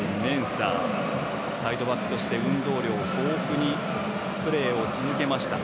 サイドバックとして運動量豊富にプレーを続けました。